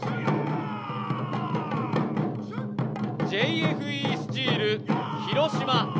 ＪＦＥスチール・広島。